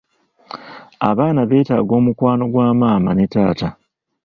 Abaana beetaaga omukwano gwamaama ne taata.